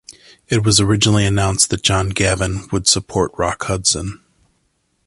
It was originally announced that John Gavin would support Rock Hudson.